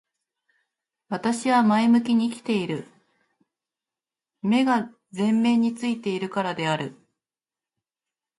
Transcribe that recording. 私は前向きに生きている。目が前面に付いているからである。